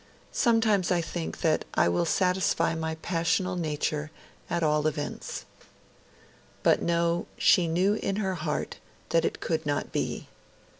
Sometimes I think that I will satisfy my passionate nature at all events....' But no, she knew in her heart that it could not be.